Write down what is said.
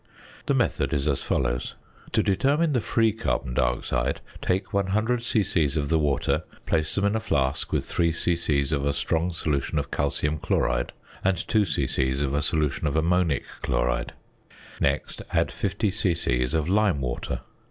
The method is as follows: To determine the free carbon dioxide, take 100 c.c. of the water, place them in a flask with 3 c.c. of a strong solution of calcium chloride and 2 c.c. of a solution of ammonic chloride, next add 50 c.c. of lime water.